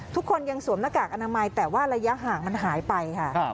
ทุกคนยังสวมหน้ากากอนามัยแต่ว่าระยะห่างมันหายไปค่ะ